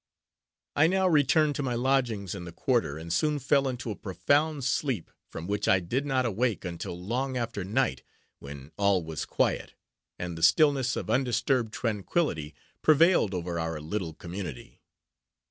I now returned to my lodgings in the quarter, and soon fell into a profound sleep, from which I did not awake until long after night, when all was quiet, and the stillness of undisturbed tranquillity prevailed over our little community.